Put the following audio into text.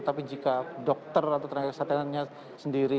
tapi jika dokter atau tenaga kesehatannya sendiri